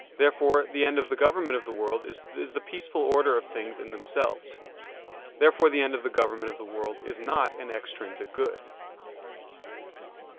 Therefore the end of the government of the world is the peaceful order in things themselves. Therefore the end of the government of the world is not an extrinsic good.